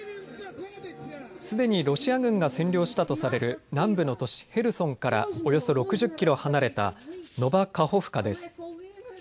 すでにロシア軍が占領したとされる南部の都市ヘルソンからおよそ６０キロ離れたノバ・カホフカです。